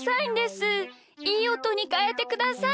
いいおとにかえてください。